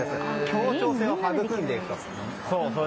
協調性を育んでいくと。